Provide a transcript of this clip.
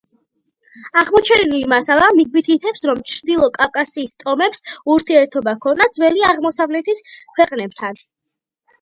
აღმოჩენილი მასალა მიგვითითებს, რომ ჩრდილო კავკასიის ტომებს ურთიერთობა ჰქონდათ ძველი აღმოსავლეთის ქვეყნებთან.